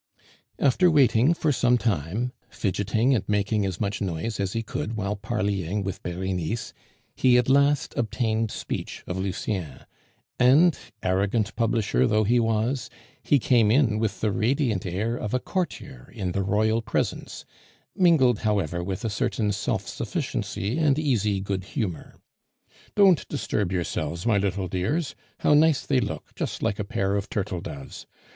After waiting for some time, fidgeting and making as much noise as he could while parleying with Berenice, he at last obtained speech of Lucien; and, arrogant publisher though he was, he came in with the radiant air of a courtier in the royal presence, mingled, however, with a certain self sufficiency and easy good humor. "Don't disturb yourselves, my little dears! How nice they look, just like a pair of turtle doves!